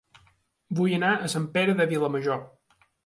Vull anar a Sant Pere de Vilamajor